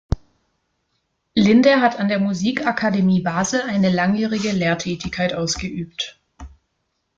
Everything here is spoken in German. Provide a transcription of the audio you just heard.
Linde hat an der Musik-Akademie Basel eine langjährige Lehrtätigkeit ausgeübt.